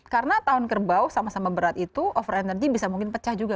karena tahun kerbau sama sama berat itu over energy bisa mungkin pecah juga